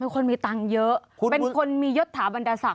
เป็นคนมีตังค์เยอะเป็นคนมียศถาบรรดาศักดิ์ด้วย